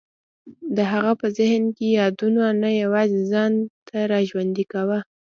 د هغه په ذهن کې یادونو نه یوازې ځان نه را ژوندی کاوه.